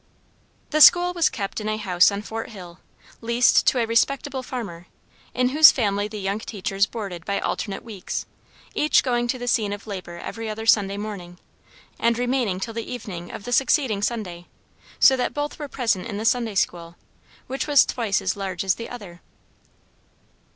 The school was kept in a house on Fort Hill, leased to a respectable farmer, in whose family the young teachers boarded by alternate weeks, each going to the scene of labor every other Sunday morning, and remaining till the evening of the succeeding Sunday, so that both were present in the Sunday school, which was twice as large as the other.